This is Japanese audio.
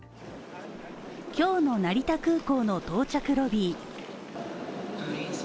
今日の成田空港の到着ロビー。